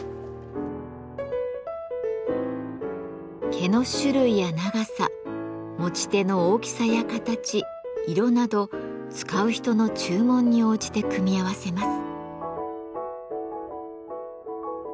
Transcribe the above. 毛の種類や長さ持ち手の大きさや形色など使う人の注文に応じて組み合わせます。